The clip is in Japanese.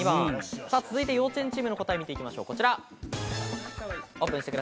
続いて幼稚園チームの解答見てみましょう、こちら。